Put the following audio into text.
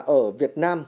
ở việt nam